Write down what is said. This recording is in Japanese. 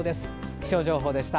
気象情報でした。